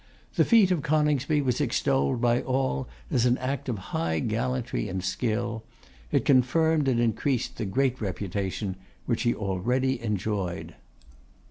The feat of Coningsby was extolled by all as an act of high gallantry and skill. It confirmed and increased the great reputation which he already enjoyed.